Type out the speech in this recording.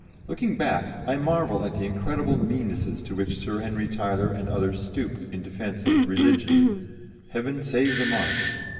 Looking back, I marvel at the incredible meannesses to which Sir Henry Tyler and others stooped in defence of "religion" Heaven save the mark!